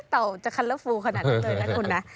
เต่าจะคันเลอร์ฟูขนาดนั้นเลยนะคุณนะ